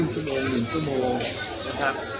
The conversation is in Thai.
ชั่วโมง๑ชั่วโมงนะครับ